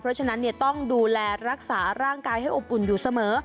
เพราะฉะนั้นต้องดูแลรักษาร่างกายให้อบอุ่นอยู่เสมอ